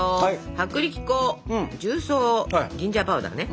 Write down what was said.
薄力粉重曹ジンジャーパウダーね。